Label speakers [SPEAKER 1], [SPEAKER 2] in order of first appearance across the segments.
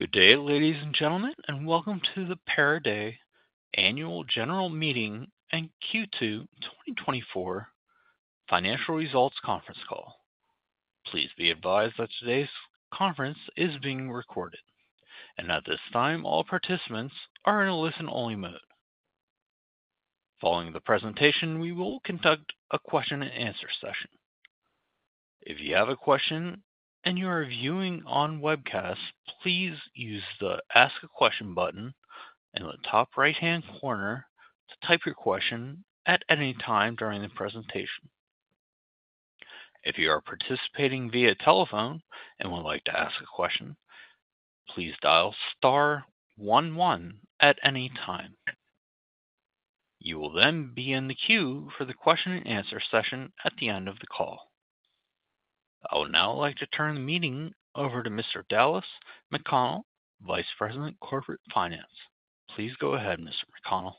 [SPEAKER 1] Good day, ladies and gentlemen, and welcome to the Pieridae Annual General Meeting and Q2 2024 Financial Results Conference Call. Please be advised that today's conference is being recorded, and at this time, all participants are in a listen-only mode. Following the presentation, we will conduct a question-and-answer session. If you have a question and you are viewing on webcast, please use the Ask a Question button in the top right-hand corner to type your question at any time during the presentation. If you are participating via telephone and would like to ask a question, please dial star one one at any time. You will then be in the queue for the question-and-answer session at the end of the call. I would now like to turn the meeting over to Mr. Dallas McConnell, Vice President, Corporate Finance. Please go ahead, Mr. McConnell.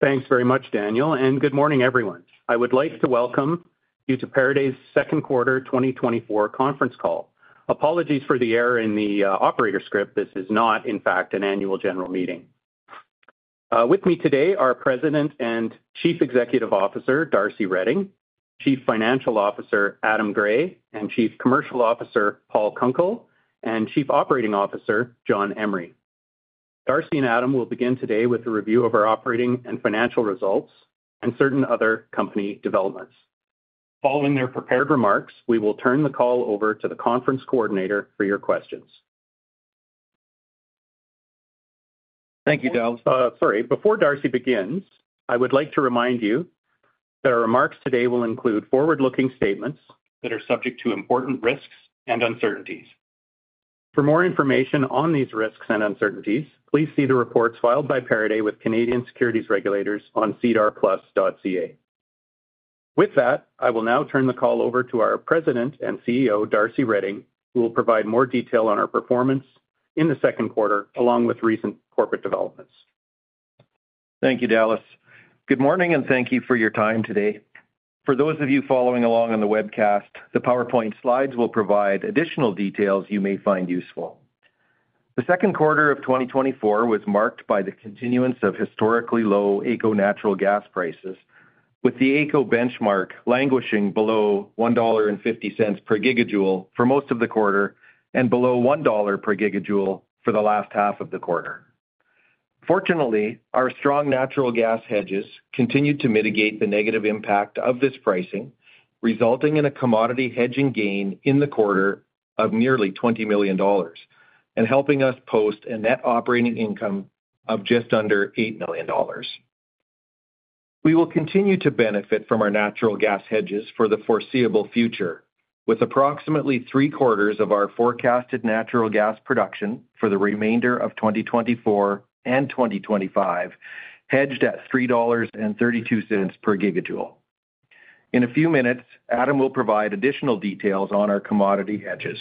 [SPEAKER 2] Thanks very much, Daniel, and good morning, everyone. I would like to welcome you to Pieridae's Second Quarter 2024 conference call. Apologies for the error in the operator script. This is not, in fact, an annual general meeting. With me today are President and Chief Executive Officer, Darcy Reding, Chief Financial Officer, Adam Gray, and Chief Commercial Officer, Paul Kunkel, and Chief Operating Officer, John Emery. Darcy and Adam will begin today with a review of our operating and financial results and certain other company developments. Following their prepared remarks, we will turn the call over to the conference coordinator for your questions. Thank you, Dallas. Sorry. Before Darcy begins, I would like to remind you that our remarks today will include forward-looking statements that are subject to important risks and uncertainties. For more information on these risks and uncertainties, please see the reports filed by Pieridae with Canadian securities regulators on sedarplus.ca. With that, I will now turn the call over to our President and CEO, Darcy Reding, who will provide more detail on our performance in the second quarter, along with recent corporate developments.
[SPEAKER 3] Thank you, Dallas. Good morning, and thank you for your time today. For those of you following along on the webcast, the PowerPoint slides will provide additional details you may find useful. The second quarter of 2024 was marked by the continuance of historically low AECO natural gas prices, with the AECO benchmark languishing below 1.50 dollar per gigajoule for most of the quarter and below 1 dollar per gigajoule for the last half of the quarter. Fortunately, our strong natural gas hedges continued to mitigate the negative impact of this pricing, resulting in a commodity hedging gain in the quarter of nearly 20 million dollars and helping us post a net operating income of just under 8 million dollars. We will continue to benefit from our natural gas hedges for the foreseeable future, with approximately 3/4 of our forecasted natural gas production for the remainder of 2024 and 2025, hedged at 3.32 dollars per gigajoule. In a few minutes, Adam will provide additional details on our commodity hedges.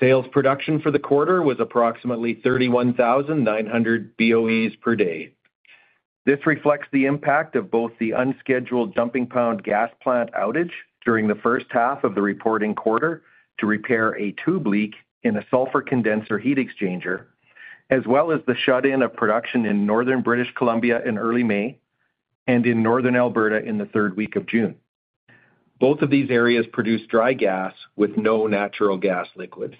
[SPEAKER 3] Sales production for the quarter was approximately 31,900 BOEs per day. This reflects the impact of both the unscheduled Jumping Pound Gas Plant outage during the first half of the reporting quarter to repair a tube leak in a sulfur condenser heat exchanger, as well as the shut-in of production in northern British Columbia in early May and in northern Alberta in the third week of June. Both of these areas produce dry gas with no natural gas liquids.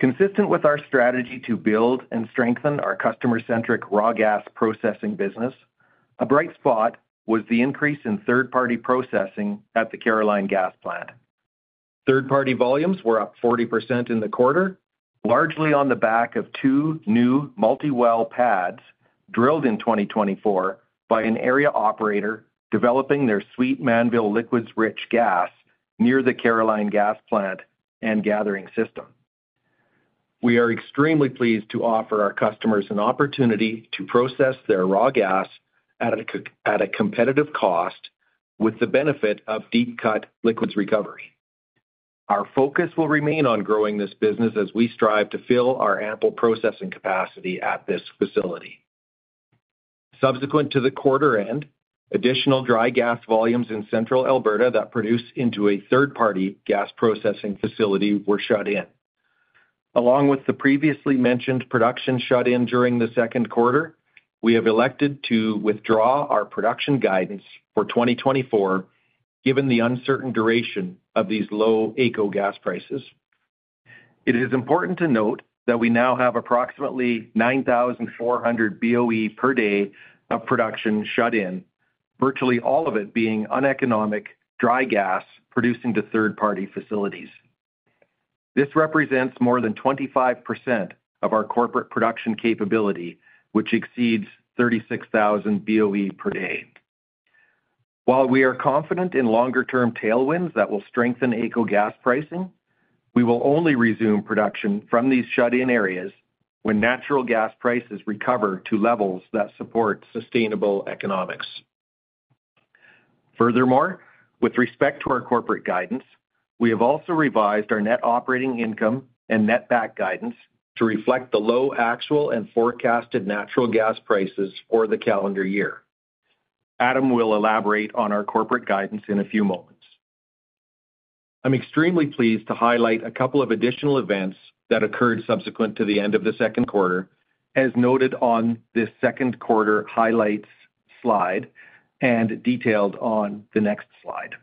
[SPEAKER 3] Consistent with our strategy to build and strengthen our customer-centric raw gas processing business, a bright spot was the increase in third-party processing at the Caroline Gas Plant. Third-party volumes were up 40% in the quarter, largely on the back of 2 new multi-well pads drilled in 2024 by an area operator developing their Sweet Mannville liquids-rich gas near the Caroline Gas Plant and gathering system. We are extremely pleased to offer our customers an opportunity to process their raw gas at a competitive cost with the benefit of deep cut liquids recovery. Our focus will remain on growing this business as we strive to fill our ample processing capacity at this facility. Subsequent to the quarter end, additional dry gas volumes in central Alberta that produce into a third-party gas processing facility were shut in. Along with the previously mentioned production shut-in during the second quarter, we have elected to withdraw our production guidance for 2024, given the uncertain duration of these low AECO gas prices. It is important to note that we now have approximately 9,400 BOE per day of production shut-in, virtually all of it being uneconomic, dry gas producing to third-party facilities. This represents more than 25% of our corporate production capability, which exceeds 36,000 BOE per day. While we are confident in longer-term tailwinds that will strengthen AECO gas pricing, we will only resume production from these shut-in areas when natural gas prices recover to levels that support sustainable economics. Furthermore, with respect to our corporate guidance, we have also revised our net operating income and net back guidance to reflect the low actual and forecasted natural gas prices for the calendar year. Adam will elaborate on our corporate guidance in a few moments. I'm extremely pleased to highlight a couple of additional events that occurred subsequent to the end of the second quarter, as noted on this second quarter highlights slide and detailed on the next slide.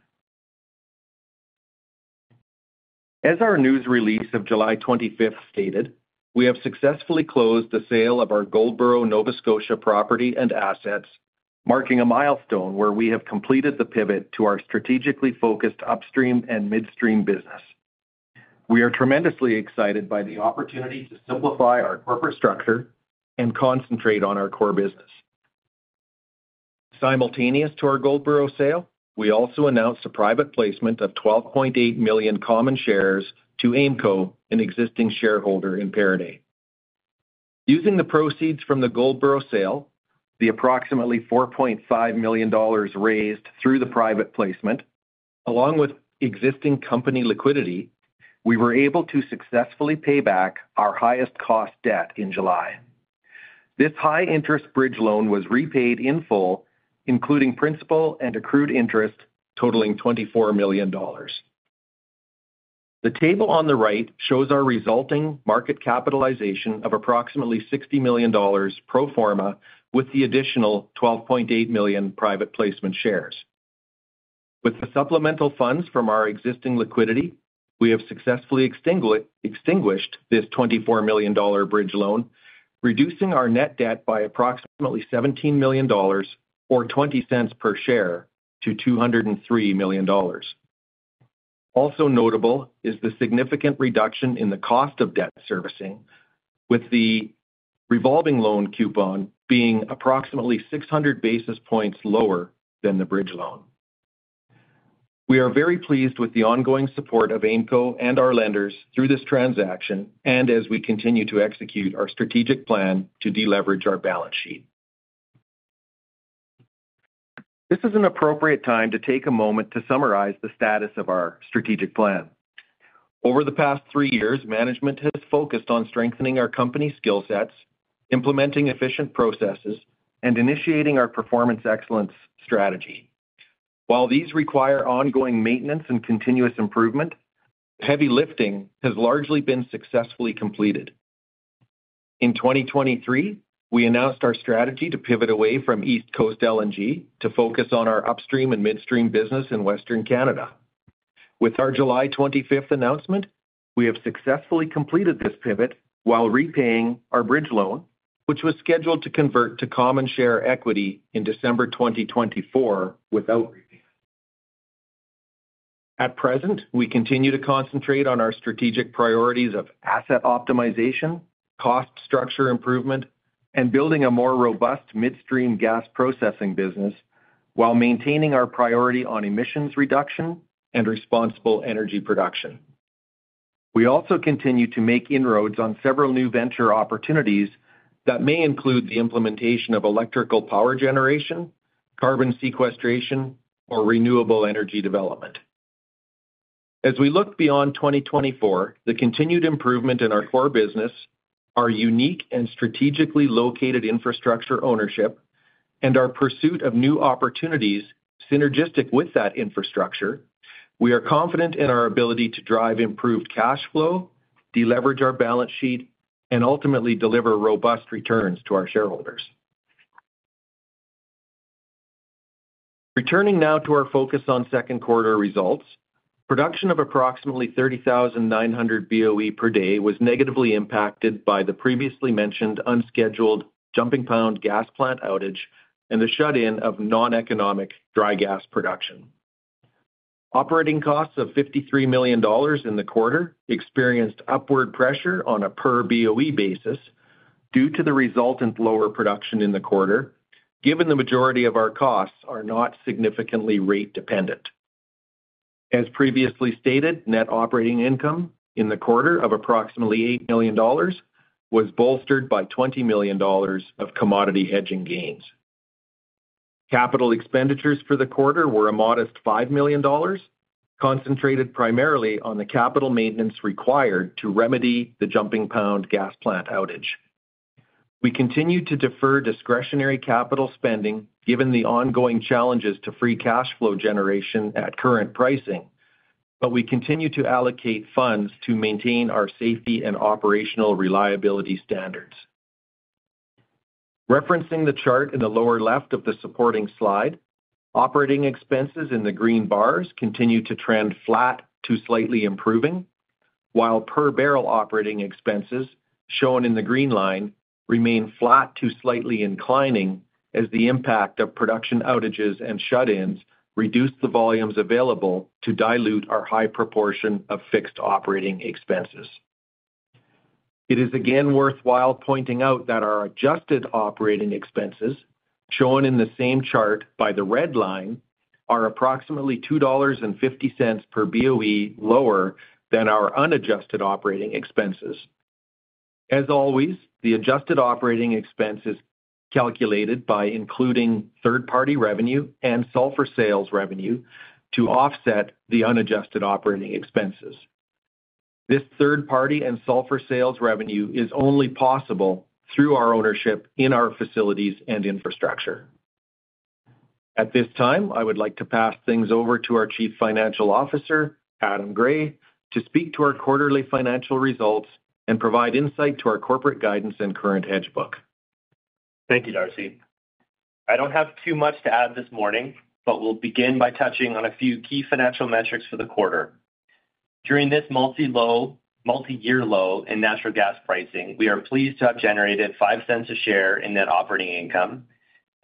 [SPEAKER 3] As our news release of July 25th stated, we have successfully closed the sale of our Goldboro, Nova Scotia, property and assets, marking a milestone where we have completed the pivot to our strategically focused upstream and midstream business. We are tremendously excited by the opportunity to simplify our corporate structure and concentrate on our core business. Simultaneous to our Goldboro sale, we also announced a private placement of 12.8 million common shares to AIMCo, an existing shareholder in Pieridae. Using the proceeds from the Goldboro sale, the approximately 4.5 million dollars raised through the private placement, along with existing company liquidity, we were able to successfully pay back our highest cost debt in July. This high-interest bridge loan was repaid in full, including principal and accrued interest, totaling 24 million dollars. The table on the right shows our resulting market capitalization of approximately 60 million dollars pro forma, with the additional 12.8 million private placement shares. With the supplemental funds from our existing liquidity, we have successfully extinguished this 24 million dollar bridge loan, reducing our net debt by approximately 17 million dollars or 0.20 per share to 203 million dollars. Also notable is the significant reduction in the cost of debt servicing, with the revolving loan coupon being approximately 600 basis points lower than the bridge loan. We are very pleased with the ongoing support of AIMCo and our lenders through this transaction and as we continue to execute our strategic plan to deleverage our balance sheet. This is an appropriate time to take a moment to summarize the status of our strategic plan. Over the past three years, management has focused on strengthening our company skill sets, implementing efficient processes, and initiating our performance excellence strategy. While these require ongoing maintenance and continuous improvement, heavy lifting has largely been successfully completed. In 2023, we announced our strategy to pivot away from East Coast LNG to focus on our upstream and midstream business in Western Canada. With our July 25 announcement, we have successfully completed this pivot while repaying our bridge loan, which was scheduled to convert to common share equity in December 2024 without repaying. At present, we continue to concentrate on our strategic priorities of asset optimization, cost structure improvement, and building a more robust midstream gas processing business while maintaining our priority on emissions reduction and responsible energy production. We also continue to make inroads on several new venture opportunities that may include the implementation of electrical power generation, carbon sequestration, or renewable energy development. As we look beyond 2024, the continued improvement in our core business, our unique and strategically located infrastructure ownership, and our pursuit of new opportunities synergistic with that infrastructure, we are confident in our ability to drive improved cash flow, deleverage our balance sheet, and ultimately deliver robust returns to our shareholders. Returning now to our focus on second quarter results, production of approximately 30,900 BOE per day was negatively impacted by the previously mentioned unscheduled Jumping Pound Gas Plant outage and the shut-in of noneconomic dry gas production. Operating costs of 53 million dollars in the quarter experienced upward pressure on a per-BOE basis due to the resultant lower production in the quarter, given the majority of our costs are not significantly rate-dependent. As previously stated, net operating income in the quarter of approximately 8 million dollars was bolstered by 20 million dollars of commodity hedging gains. Capital expenditures for the quarter were a modest 5 million dollars, concentrated primarily on the capital maintenance required to remedy the Jumping Pound Gas Plant outage. We continued to defer discretionary capital spending, given the ongoing challenges to free cash flow generation at current pricing, but we continue to allocate funds to maintain our safety and operational reliability standards. Referencing the chart in the lower left of the supporting slide, operating expenses in the green bars continue to trend flat to slightly improving, while per-barrel operating expenses, shown in the green line, remain flat to slightly inclining as the impact of production outages and shut-ins reduce the volumes available to dilute our high proportion of fixed operating expenses. It is again worthwhile pointing out that our adjusted operating expenses, shown in the same chart by the red line, are approximately 2.50 dollars per BOE lower than our unadjusted operating expenses. As always, the adjusted operating expense is calculated by including third-party revenue and sulfur sales revenue to offset the unadjusted operating expenses... This third-party and sulfur sales revenue is only possible through our ownership in our facilities and infrastructure. At this time, I would like to pass things over to our Chief Financial Officer, Adam Gray, to speak to our quarterly financial results and provide insight to our corporate guidance and current hedge book.
[SPEAKER 4] Thank you, Darcy. I don't have too much to add this morning, but we'll begin by touching on a few key financial metrics for the quarter. During this multi-low, multi-year low in natural gas pricing, we are pleased to have generated 0.05 per share in net operating income,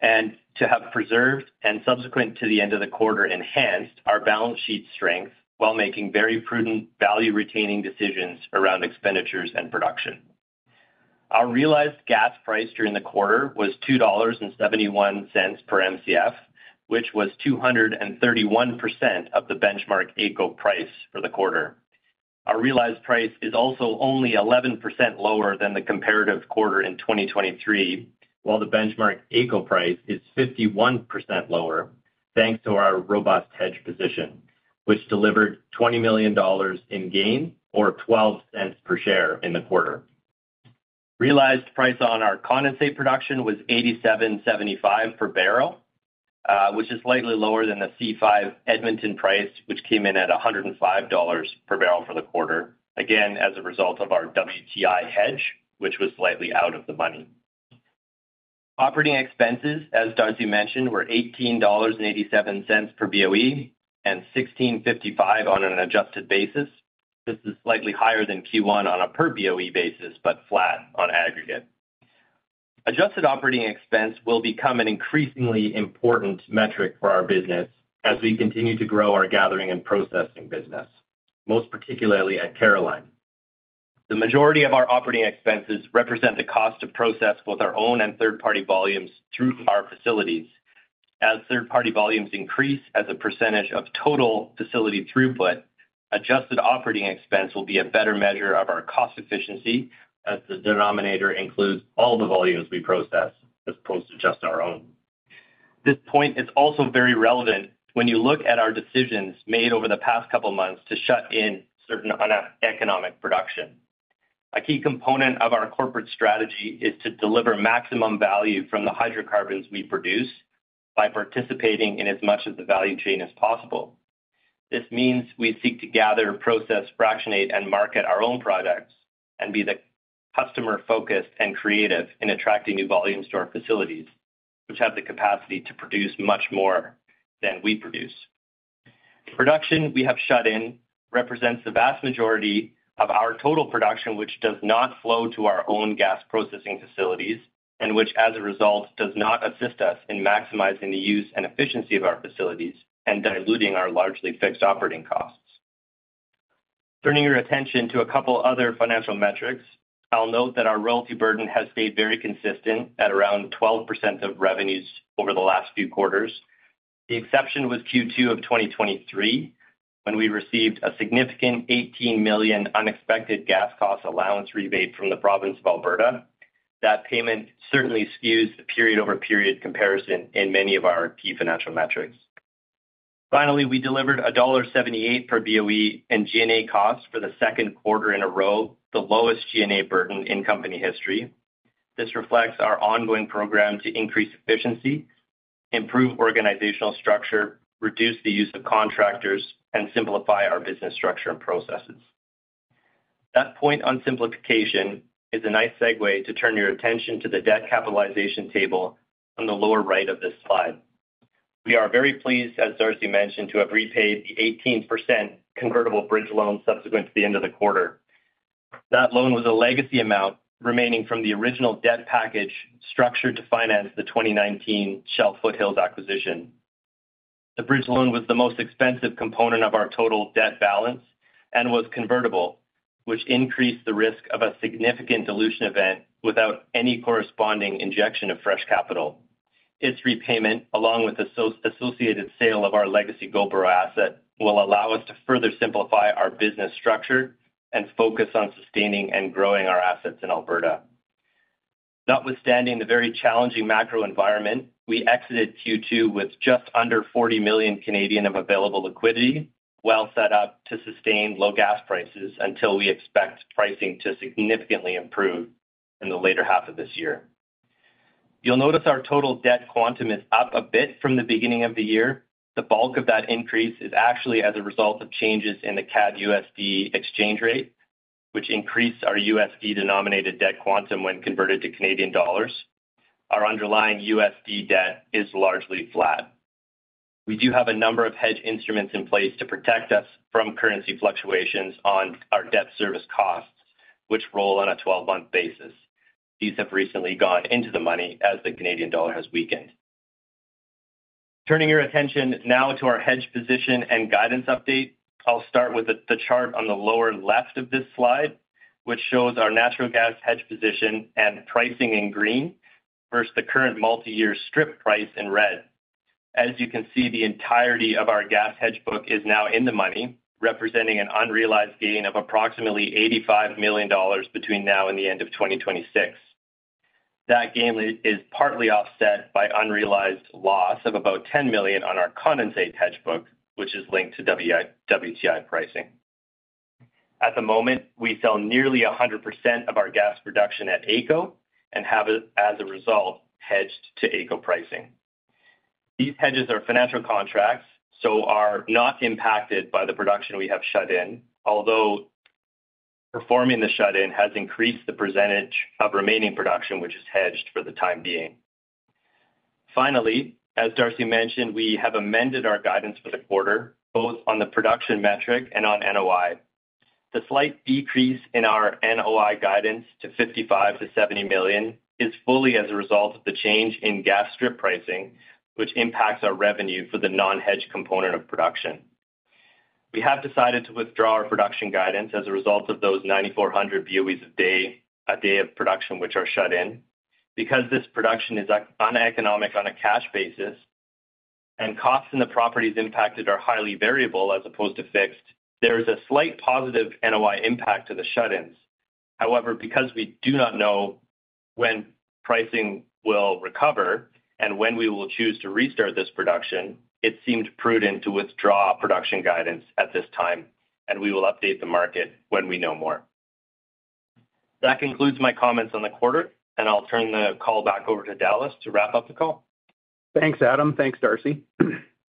[SPEAKER 4] and to have preserved, and subsequent to the end of the quarter, enhanced our balance sheet strength while making very prudent value-retaining decisions around expenditures and production. Our realized gas price during the quarter was 2.71 dollars per Mcf, which was 231% of the benchmark AECO price for the quarter. Our realized price is also only 11% lower than the comparative quarter in 2023, while the benchmark AECO price is 51% lower, thanks to our robust hedge position, which delivered 20 million dollars in gain, or 0.12 per share in the quarter. Realized price on our condensate production was 87.75 per barrel, which is slightly lower than the C5 Edmonton price, which came in at 105 dollars per barrel for the quarter. Again, as a result of our WTI hedge, which was slightly out of the money. Operating expenses, as Darcy mentioned, were 18.87 dollars per BOE, and 16.55 on an adjusted basis. This is slightly higher than Q1 on a per BOE basis, but flat on aggregate. Adjusted operating expense will become an increasingly important metric for our business as we continue to grow our gathering and processing business, most particularly at Caroline. The majority of our operating expenses represent the cost to process both our own and third-party volumes through our facilities. As third-party volumes increase as a percentage of total facility throughput, adjusted operating expense will be a better measure of our cost efficiency, as the denominator includes all the volumes we process, as opposed to just our own. This point is also very relevant when you look at our decisions made over the past couple of months to shut in certain uneconomic production. A key component of our corporate strategy is to deliver maximum value from the hydrocarbons we produce by participating in as much of the value chain as possible. This means we seek to gather, process, fractionate, and market our own products and be the customer-focused and creative in attracting new volumes to our facilities, which have the capacity to produce much more than we produce. Production we have shut-in represents the vast majority of our total production, which does not flow to our own gas processing facilities, and which, as a result, does not assist us in maximizing the use and efficiency of our facilities and diluting our largely fixed operating costs. Turning your attention to a couple other financial metrics, I'll note that our royalty burden has stayed very consistent at around 12% of revenues over the last few quarters. The exception was Q2 of 2023, when we received a significant 18 million unexpected gas cost allowance rebate from the province of Alberta. That payment certainly skews the period-over-period comparison in many of our key financial metrics. Finally, we delivered dollar 1.78 per BOE in G&A costs for the second quarter in a row, the lowest G&A burden in company history. This reflects our ongoing program to increase efficiency, improve organizational structure, reduce the use of contractors, and simplify our business structure and processes. That point on simplification is a nice segue to turn your attention to the debt capitalization table on the lower right of this slide. We are very pleased, as Darcy mentioned, to have repaid the 18% convertible bridge loan subsequent to the end of the quarter. That loan was a legacy amount remaining from the original debt package structured to finance the 2019 Shell Foothills acquisition. The bridge loan was the most expensive component of our total debt balance and was convertible, which increased the risk of a significant dilution event without any corresponding injection of fresh capital. Its repayment, along with the associated sale of our legacy Goldboro asset, will allow us to further simplify our business structure and focus on sustaining and growing our assets in Alberta. Notwithstanding the very challenging macro environment, we exited Q2 with just under 40 million of available liquidity, well set up to sustain low gas prices until we expect pricing to significantly improve in the later half of this year. You'll notice our total debt quantum is up a bit from the beginning of the year. The bulk of that increase is actually as a result of changes in the CAD-USD exchange rate, which increased our USD-denominated debt quantum when converted to Canadian dollars. Our underlying USD debt is largely flat. We do have a number of hedge instruments in place to protect us from currency fluctuations on our debt service costs, which roll on a 12-month basis. These have recently gone into the money as the Canadian dollar has weakened. Turning your attention now to our hedge position and guidance update, I'll start with the chart on the lower left of this slide, which shows our natural gas hedge position and pricing in green versus the current multiyear strip price in red. As you can see, the entirety of our gas hedge book is now in the money, representing an unrealized gain of approximately 85 million dollars between now and the end of 2026. That gain is partly offset by unrealized loss of about 10 million on our condensate hedge book, which is linked to WTI pricing. At the moment, we sell nearly 100% of our gas production at AECO and have it, as a result, hedged to AECO pricing. These hedges are financial contracts, so are not impacted by the production we have shut in. Although, performing the shut-in has increased the percentage of remaining production, which is hedged for the time being. Finally, as Darcy mentioned, we have amended our guidance for the quarter, both on the production metric and on NOI. The slight decrease in our NOI guidance to 55 million-70 million is fully as a result of the change in gas strip pricing, which impacts our revenue for the non-hedged component of production. We have decided to withdraw our production guidance as a result of those 9,400 BOEs a day of production, which are shut in. Because this production is uneconomic on a cash basis and costs in the properties impacted are highly variable as opposed to fixed, there is a slight positive NOI impact to the shut-ins. However, because we do not know when pricing will recover and when we will choose to restart this production, it seemed prudent to withdraw production guidance at this time, and we will update the market when we know more. That concludes my comments on the quarter, and I'll turn the call back over to Dallas to wrap up the call.
[SPEAKER 2] Thanks, Adam. Thanks, Darcy.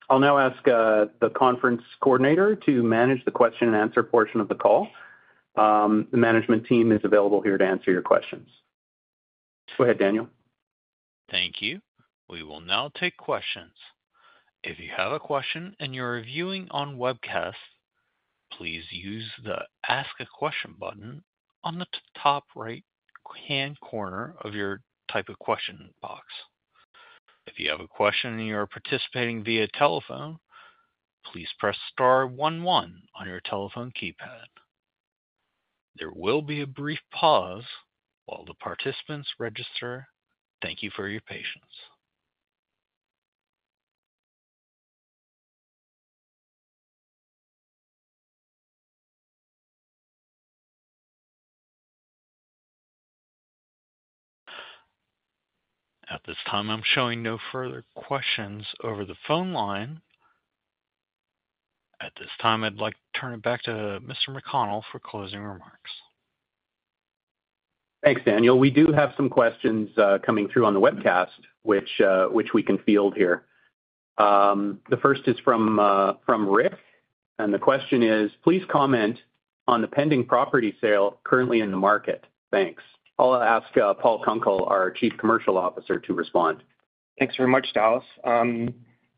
[SPEAKER 2] I'll now ask the conference coordinator to manage the question and answer portion of the call. The management team is available here to answer your questions. Go ahead, Daniel.
[SPEAKER 1] Thank you. We will now take questions. If you have a question and you're reviewing on webcast, please use the Ask a Question button on the top right-hand corner of your Type a Question box. If you have a question and you are participating via telephone, please press star one, one on your telephone keypad. There will be a brief pause while the participants register. Thank you for your patience. At this time, I'm showing no further questions over the phone line. At this time, I'd like to turn it back to Mr. McConnell for closing remarks.
[SPEAKER 2] Thanks, Daniel. We do have some questions coming through on the webcast, which we can field here. The first is from Rick, and the question is: Please comment on the pending property sale currently in the market. Thanks. I'll ask Paul Kunkel, our Chief Commercial Officer, to respond.
[SPEAKER 5] Thanks very much, Dallas.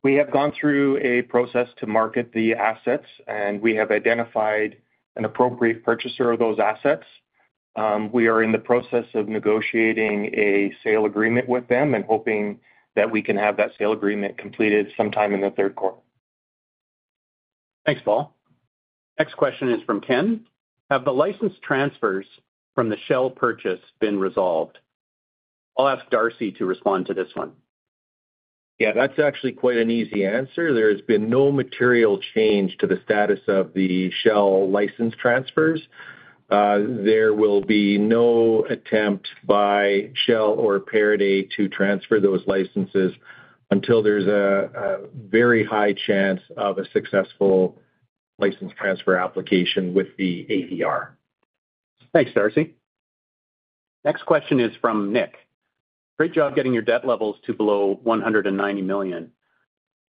[SPEAKER 5] We have gone through a process to market the assets, and we have identified an appropriate purchaser of those assets. We are in the process of negotiating a sale agreement with them and hoping that we can have that sale agreement completed sometime in the third quarter.
[SPEAKER 2] Thanks, Paul. Next question is from Ken: Have the license transfers from the Shell purchase been resolved? I'll ask Darcy to respond to this one.
[SPEAKER 3] Yeah, that's actually quite an easy answer. There has been no material change to the status of the Shell license transfers. There will be no attempt by Shell or Pieridae to transfer those licenses until there's a very high chance of a successful license transfer application with the AER.
[SPEAKER 2] Thanks, Darcy. Next question is from Nick: Great job getting your debt levels to below 190 million.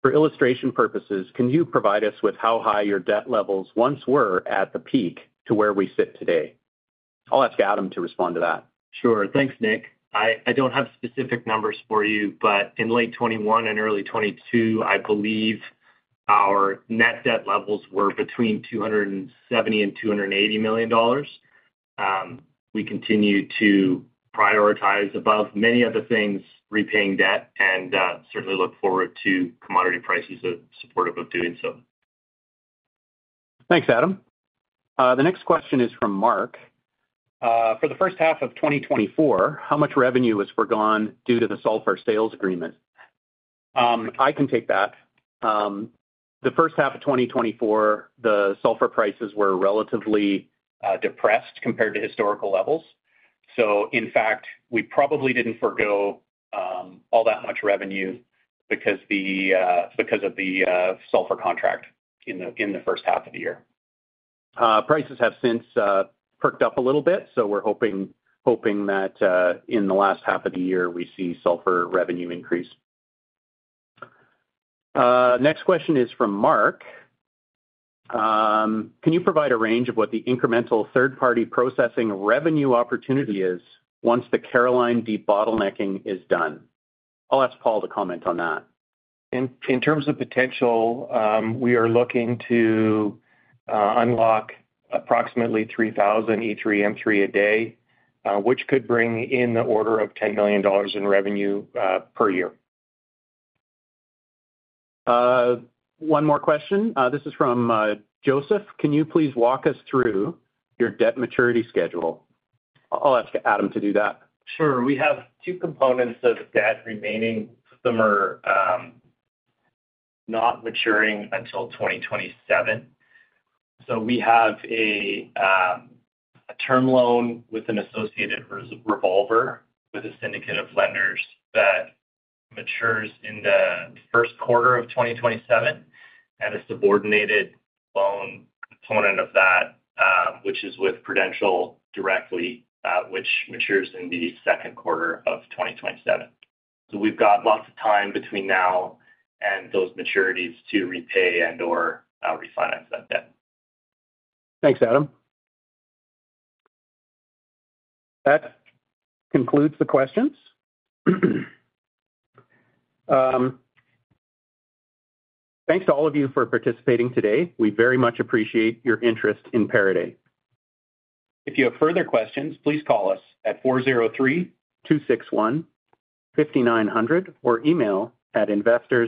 [SPEAKER 2] For illustration purposes, can you provide us with how high your debt levels once were at the peak to where we sit today? I'll ask Adam to respond to that.
[SPEAKER 4] Sure. Thanks, Nick. I don't have specific numbers for you, but in late 2021 and early 2022, I believe our net debt levels were between 270 million and 280 million dollars. We continue to prioritize, above many other things, repaying debt and, certainly look forward to commodity prices that are supportive of doing so.
[SPEAKER 2] Thanks, Adam. The next question is from Mark. For the first half of 2024, how much revenue was forgone due to the sulfur sales agreement?
[SPEAKER 3] I can take that. The first half of 2024, the sulfur prices were relatively depressed compared to historical levels. So in fact, we probably didn't forgo all that much revenue because of the sulfur contract in the first half of the year.
[SPEAKER 2] Prices have since perked up a little bit, so we're hoping, hoping that in the last half of the year, we see sulfur revenue increase. Next question is from Mark. Can you provide a range of what the incremental third-party processing revenue opportunity is once the Caroline debottlenecking is done? I'll ask Paul to comment on that.
[SPEAKER 5] In terms of potential, we are looking to unlock approximately 3,000 e3m3 a day, which could bring in the order of 10 million dollars in revenue per year.
[SPEAKER 2] One more question. This is from Joseph. Can you please walk us through your debt maturity schedule? I'll ask Adam to do that.
[SPEAKER 4] Sure. We have two components of debt remaining. Some are not maturing until 2027. So we have a term loan with an associated revolver with a syndicate of lenders that matures in the first quarter of 2027, and a subordinated loan component of that, which is with Prudential directly, which matures in the second quarter of 2027. So we've got lots of time between now and those maturities to repay and/or refinance that debt.
[SPEAKER 2] Thanks, Adam. That concludes the questions. Thanks to all of you for participating today. We very much appreciate your interest in Pieridae Energy. If you have further questions, please call us at 403-261-5900, or email at investor-